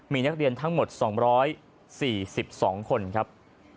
มีนักเรียนทั้งหมด๒๔๒คนครับ